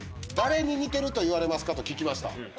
「誰に似てると言われますか？」と聞きました。